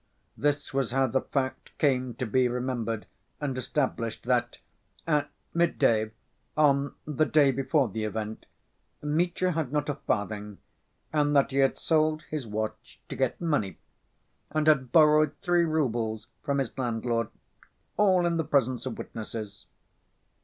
This was how the fact came to be remembered and established that "at midday, on the day before the event, Mitya had not a farthing, and that he had sold his watch to get money and had borrowed three roubles from his landlord, all in the presence of witnesses."